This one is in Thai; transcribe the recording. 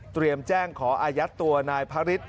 แจ้งขออายัดตัวนายพระฤทธิ